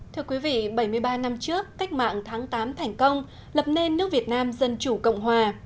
thưa quý vị bảy mươi ba năm trước cách mạng tháng tám thành công lập nên nước việt nam dân chủ cộng hòa